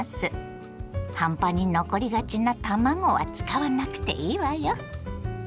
半端に残りがちな卵は使わなくていいわよ。